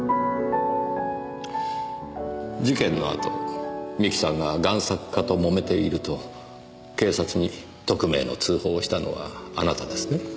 事件の後三木さんが贋作家ともめていると警察に匿名の通報をしたのはあなたですね？